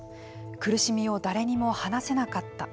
苦しみを誰にも話せなかった。